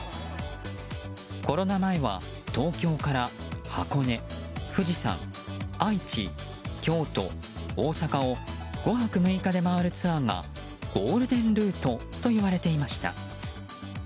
コロナ前は東京から箱根、富士山愛知、京都、大阪を５泊６日で回るツアーがゴールデンルートといわれていました。